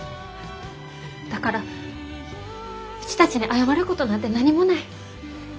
だからうちたちに謝ることなんて何もない。